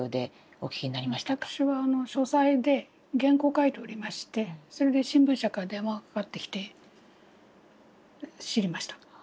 私は書斎で原稿を書いておりましてそれで新聞社から電話がかかってきて知りました。